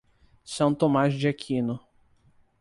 São Tomás de Aquino